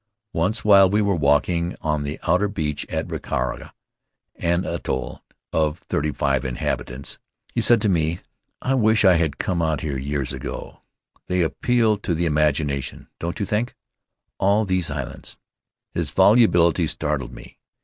Once while we were walking on the outer beach at Raraka, an atoll of thirty five inhabitants, he said to me: "I wish I had come out here years ago. They ap peal to the imagination, don't you think, all these islands?" His volubility startled me.